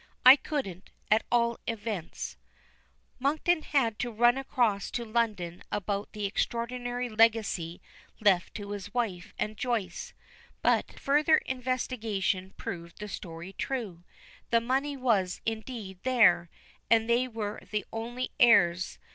"I couldn't, at all events." Monkton had to run across to London about the extraordinary legacy left to his wife and Joyce. But further investigation proved the story true. The money was, indeed, there, and they were the only heirs.